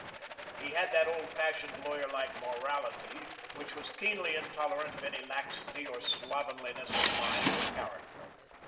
He had that old fashioned, lawyer like morality which was keenly intolerant of any laxity or slovenliness of mind or character.